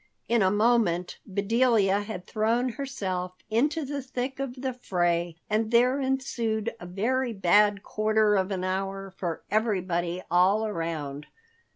In a moment Bedelia had thrown herself into the thick of the fray and there ensued a very bad quarter of an hour for everybody all around.